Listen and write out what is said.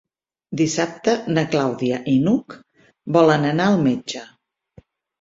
Dissabte na Clàudia i n'Hug volen anar al metge.